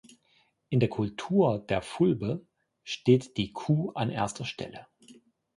In der Kultur der Fulbe steht die Kuh an erster Stelle.